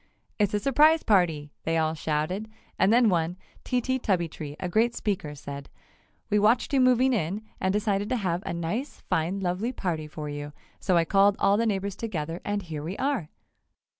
"It's a surprise party!" they all shouted and then one, Tee Tee Tubbytee, a great speaker, said: "We watched you moving in, and decided to have a nice, fine, lovely party for you, so I called all the neighbors together and here we are!"